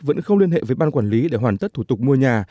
vẫn không liên hệ với ban quản lý để hoàn tất thủ tục mua nhà